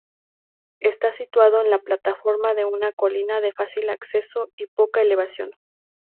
Está situado en la plataforma de una colina de fácil acceso y poca elevación.